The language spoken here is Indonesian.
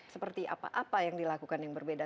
seperti apa apa yang dilakukan yang berbeda